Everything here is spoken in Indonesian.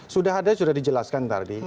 sudah ada sudah dijelaskan tadi